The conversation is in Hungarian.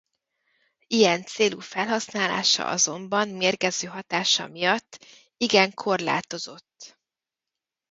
Ilyen célú felhasználása azonban mérgező hatása miatt igen korlátozott.